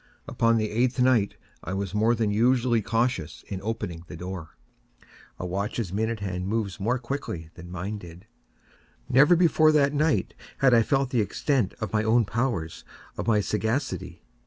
Upon the eighth night I was more than usually cautious in opening the door. A watch's minute hand moves more quickly than did mine. Never before that night had I felt the extent of my own powers—of my sagacity.